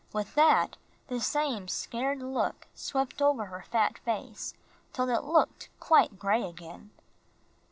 With that the same scared look swept over her fat face, till it looked quite gray again.